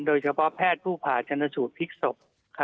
โดยเฉพาะแพทย์ผู้ผ่าชนสูตรภิกษบ